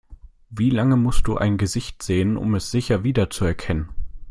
Wie lange musst du ein Gesicht sehen, um es sicher wiederzuerkennen?